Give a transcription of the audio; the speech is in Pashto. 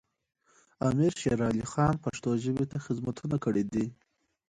امیر شیر علی خان پښتو ژبې ته خدمتونه کړي دي.